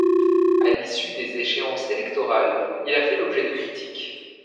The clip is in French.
A l'issue des échéances électorales, il a fait l'objet de critiques.